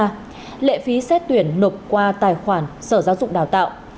trong đó lễ phí xét tuyển nộp qua tài khoản sở giáo dục đào tạo